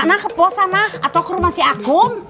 sana ke pos sana atau ke rumah si agung